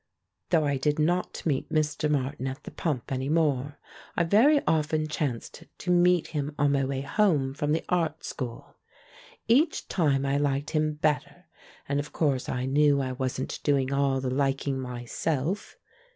Though I did not meet Mr. Martin at the pump any more, I very often chanced to meet him on my way home from the art school. Each time I liked him better, and of course I knew I wasn't doing all the liking myself.